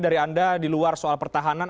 dari anda di luar soal pertahanan